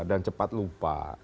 dan cepat lupa